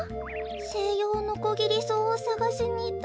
セイヨウノコギリソウをさがしにいったけど。